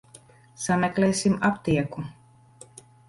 Sameklēsim aptieku.